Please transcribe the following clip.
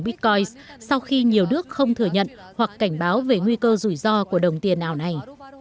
bitcoin sau khi nhiều nước không thừa nhận hoặc cảnh báo về nguy cơ rủi ro của đồng tiền ảo này